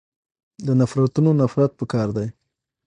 د نفرتونونه نفرت پکار دی.